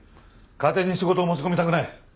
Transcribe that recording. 家庭に仕事を持ち込みたくない。